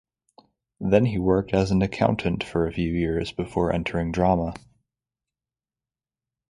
Then he worked as an accountant for few years before entering drama.